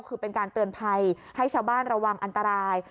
คือเป็นการเตือนภัยให้ชาวบ้านระวังอันตราย